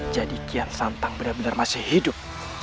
jadi kian santang benar benar masih hidup